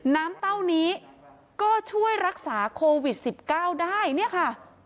เต้านี้ก็ช่วยรักษาโควิด๑๙ได้เนี่ยค่ะ